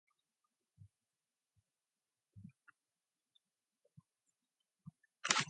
The album was a big hit, on the strength of the lead single.